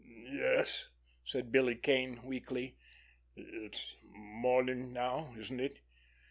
"Yes," said Billy Kane weakly. "It's morning now, isn't it?"